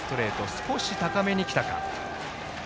少し高めに来たか。